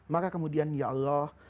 maka kemudian ya allah